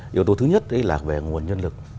yếu tố thứ nhất là về nguồn nhân lực